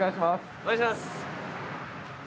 お願いします。